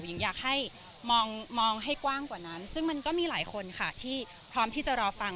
หญิงอยากให้มองให้กว้างกว่านั้นซึ่งมันก็มีหลายคนค่ะที่พร้อมที่จะรอฟัง